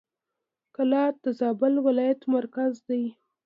کلات د زابل ولایت مرکز دی.